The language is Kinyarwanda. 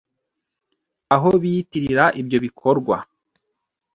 aho biyitirira ibyo bikorwa